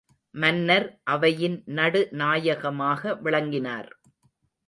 மன்னர் அவையின் நடு நாயகமாக விளங்கினார்.